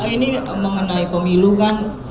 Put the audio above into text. ini mengenai pemilu kan